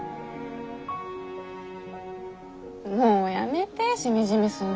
もうやめてしみじみすんの！